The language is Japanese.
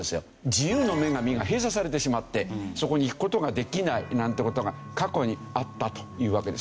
自由の女神が閉鎖されてしまってそこに行く事ができないなんて事が過去にあったというわけですね。